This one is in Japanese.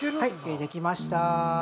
できました。